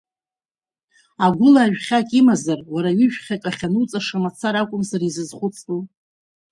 Агәыла ажәхьак имазар, уара ҩыжәхьак ахьануҵаша мацара акәымзар изызхәыцтәу?